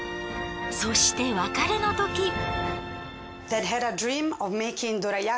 そして別れのとき。